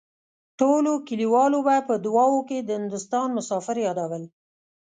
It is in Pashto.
ټولو کليوالو به په دعاوو کې د هندوستان مسافر يادول.